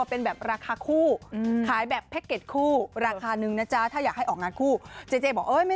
เออร่องจังเลย